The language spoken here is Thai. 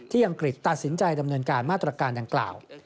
อังกฤษตัดสินใจดำเนินการมาตรการดังกล่าว